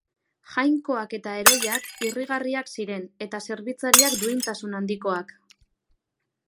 Jainkoak eta heroiak irrigarriak ziren eta zerbitzariak duintasun handikoak.